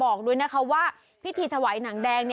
บอกด้วยนะคะว่าพิธีถวายหนังแดง